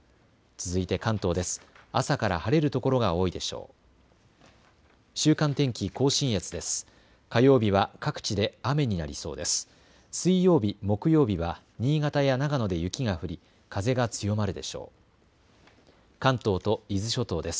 続いて関東です。